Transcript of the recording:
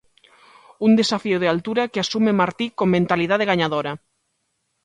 Un desafío de altura que asume Martí con mentalidade gañadora...